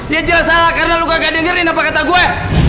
ya jelas salah karena lo kagak dengerin apa kata gue